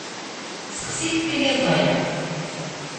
Sexsit tiliẓṛi.